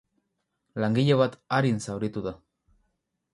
Langile bat arin zauritu da.